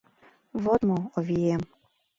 — Вот мо, Овием.